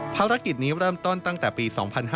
ภารกิจนี้เริ่มต้นตั้งแต่ปี๒๕๕๙